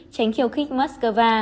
tránh khiêu khích moscow